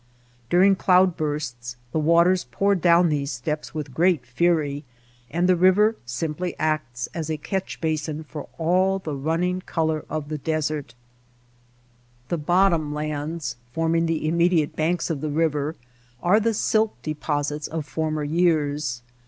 During cloud bursts the waters pour down these steps with great fury and the river simply acts as a catch basin for all the running color of the desert. The ^^ bottom '' lands, forming the immediate banks of the river, are the silt deposits of former years.